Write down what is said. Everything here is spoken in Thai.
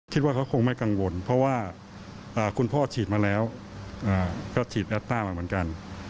คิดว่าเขาคงไม่กังวลเพราะว่าคุณพ่อฉีดมาแล้วก็ฉีดแอตต้ามาเหมือนกัน